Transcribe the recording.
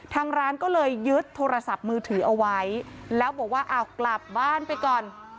ทางร้านก็เลยยึดโทรศัพท์มือถือเอาไว้แล้วบอกว่าอ้าวกลับบ้านไปก่อน